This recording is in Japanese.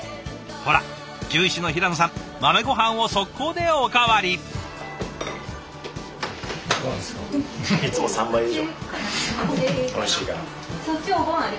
ほら獣医師の平野さん豆ごはんを即行でおかわり。